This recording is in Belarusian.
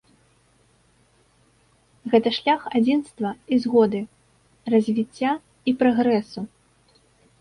Гэта шлях адзінства і згоды, развіцця і прагрэсу.